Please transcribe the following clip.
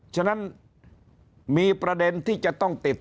ฉะนั้นมีประเด็นที่จะต้องติด